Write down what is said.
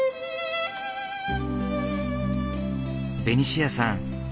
ベニシアさん